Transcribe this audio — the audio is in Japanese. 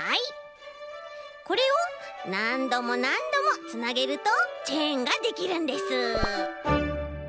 これをなんどもなんどもつなげるとチェーンができるんです。